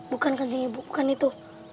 bukan kan ibu bukan itu